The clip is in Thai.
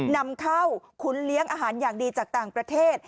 นำเข้าขุนเลี้ยงอาหารอย่างดีจากต่างประเทศ